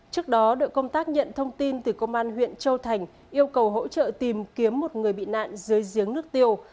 trước đó đội công tác nhận thông tin từ công an huyện châu thành yêu cầu hỗ trợ tìm kiếm một người bị nạn dưới giếng nước tiêu